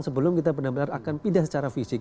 sebelum kita benar benar akan pindah secara fisik